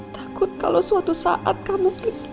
takut kalau suatu saat kamu